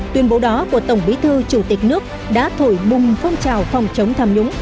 tuyên bố đó của tổng bí thư chủ tịch nước đã thổi bùng phong trào phòng chống tham nhũng